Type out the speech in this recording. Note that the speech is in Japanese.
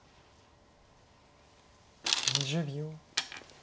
２０秒。